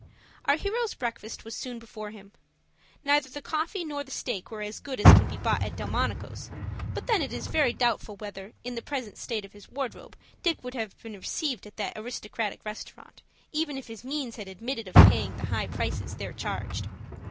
Our hero's breakfast was soon before him. Neither the coffee nor the steak were as good as can be bought at Delmonico's; but then it is very doubtful whether, in the present state of his wardrobe, Dick would have been received at that aristocratic restaurant, even if his means had admitted of paying the high prices there charged.